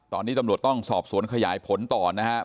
ตอนนี้ตำรวจต้องสอบสวนขยายผลต่อนะครับ